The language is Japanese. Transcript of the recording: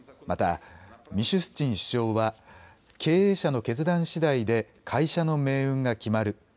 また、ミシュスチン首相は経営者の決断しだいで会社の命運が決まる。